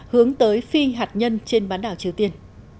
hướng tới phi hạt nhân trên bán đảo triều tiên